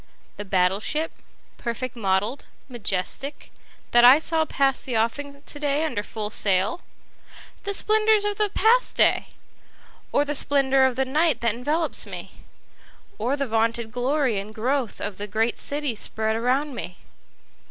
The battle ship, perfect model'd, majestic, that I saw pass the offing to day under full sail? The splendors of the past day? Or the splendor of the night that envelopes me? Or the vaunted glory and growth of the great city spread around me?